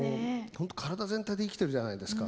本当体全体で生きてるじゃないですか。